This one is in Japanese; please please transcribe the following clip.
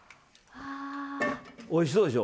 おいしそうでしょ。